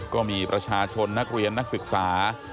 ก็มีประชาชนนักเรียนนักศึกษา